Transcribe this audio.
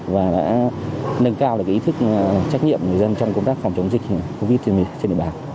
và đã nâng cao được ý thức trách nhiệm người dân trong công tác phòng chống dịch covid trên địa bàn